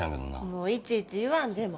もういちいち言わんでええ。